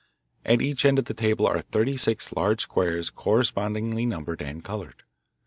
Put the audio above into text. At each end of the table are thirty six large squares correspondingly numbered and coloured.